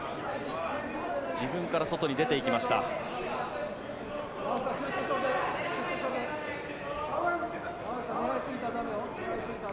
自分から外に出ていきました。